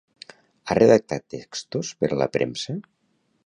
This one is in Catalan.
Ha redactat textos per a la premsa?